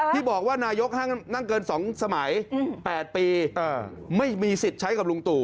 ที่บอกว่านายกนั่งเกิน๒สมัย๘ปีไม่มีสิทธิ์ใช้กับลุงตู่